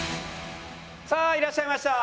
さあいらっしゃいました。